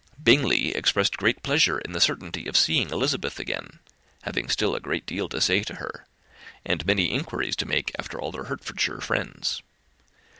Bingley expressed great pleasure in the certainty of seeing Elizabeth again, having still a great deal to say to her, and many inquiries to make after all their Hertfordshire friends.